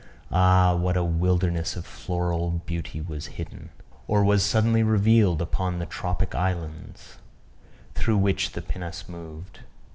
Ah! what a wilderness of floral beauty was hidden, or was suddenly revealed, upon the tropic islands, through which the pinnace moved.